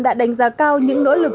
đã đánh giá cao những nỗ lực